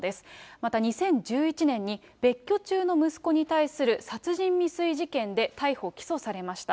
また２０１１年に、別居中の息子に対する殺人未遂事件で逮捕・起訴されました。